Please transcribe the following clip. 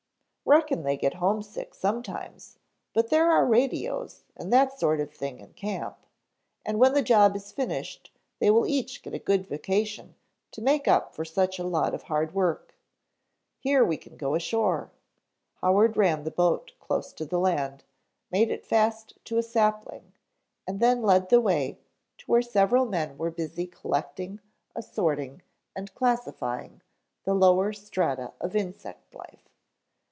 "Reckon they get homesick sometimes, but there are radios, and that sort of thing in camp, and when the job is finished they will each get a good vacation to make up for such a lot of hard work. Here we can go ashore." Howard ran the boat close to the land, made it fast to a sapling, and then led the way to where several men were busy collecting, assorting and classifying the lower strata of insect life.